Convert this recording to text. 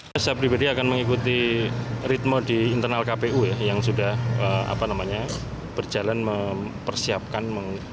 saya pribadi akan mengikuti ritme di internal kpu yang sudah berjalan mempersiapkan